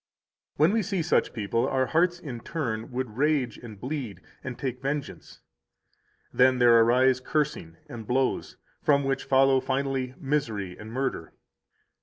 When we see such people, our hearts, in turn, would rage and bleed and take vengeance. Then there arise cursing and blows, from which follow finally misery and murder.